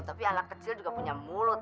tapi anak kecil juga punya mulut